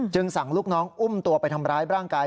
สั่งลูกน้องอุ้มตัวไปทำร้ายร่างกาย